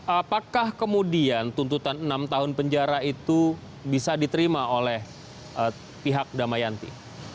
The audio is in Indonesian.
apakah kemudian tuntutan enam tahun penjara itu bisa diterima oleh pihak damayanti